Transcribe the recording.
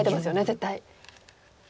絶対。